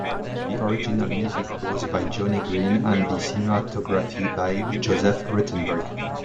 The original music was by Johnny Green and the cinematography by Joseph Ruttenberg.